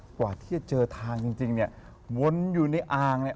กว่าที่จะเจอทางจริงวนอยู่ในอ่าง